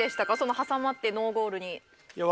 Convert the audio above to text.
挟まってノーゴールに。